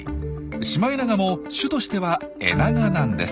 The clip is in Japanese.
シマエナガも種としてはエナガなんです。